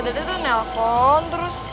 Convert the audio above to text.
dari tadi tuh nelpon terus